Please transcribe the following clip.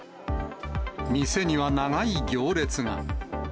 店には長い行列が。